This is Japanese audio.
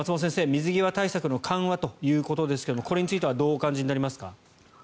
水際対策の緩和ということですがこれについてはどうお感じになりますか？